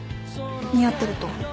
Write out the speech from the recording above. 似合ってると思う。